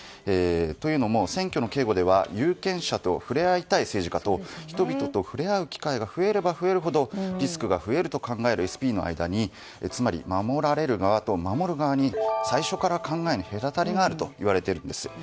というのも選挙の警護では有権者と触れ合いたい政治家と人々と触れ合う機会が増えれば増えるほどリスクが増えると考えるＳＰの間につまり守られる側と守る側に最初から考えに隔たりがあるといわれているんです。